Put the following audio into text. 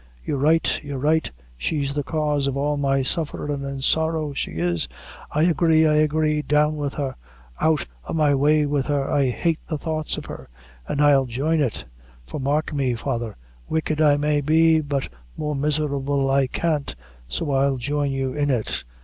You're right, you're right. She's the cause of all my sufferin' an' sorrow. She is I agree I agree down with her out o' my way with her I hate the thoughts of her an' I'll join it for mark me, father, wicked I may be, but more miserable I can't so I'll join you in it.